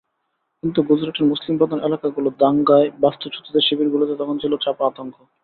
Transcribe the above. কিন্তু গুজরাটের মুসলিমপ্রধান এলাকাগুলো এবং দাঙ্গায় বাস্তুচ্যুতদের শিবিরগুলোতে তখন ছিল চাপা আতঙ্ক।